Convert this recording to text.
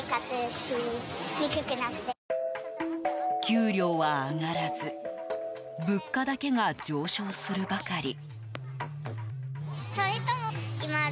給料は上がらず物価だけが上昇するばかり。